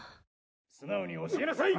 素直に教えなさい！